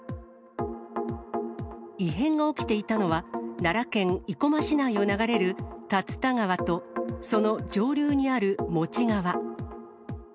異変が起きていたのは、奈良県生駒市内を流れる竜田川とその上流にあるモチ川。